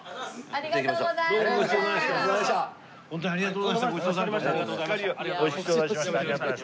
ありがとうございましたどうも。